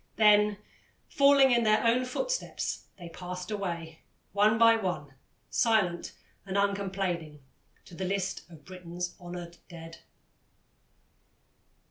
Then, falling in their own footsteps, they passed away, one by one, silent and uncomplaining, to the list of Britain's honoured dead.